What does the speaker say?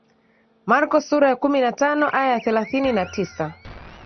Marko sura ya kumi na tano aya ya thelathini na tisa